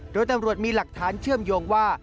โดยตำรวจมีหลักฐานเชื่อมโยงว่า